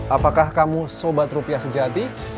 apakah kamu sobat rupiah sejati